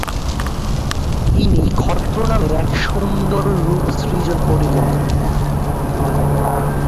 তিনি ক্ষত্র নামে এক সুন্দর রূপ সৃজন করিলেন।